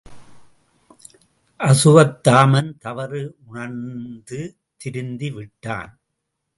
அசுவத்தாமன் தவறு உணர்ந்து திருந்தி விட்டான்.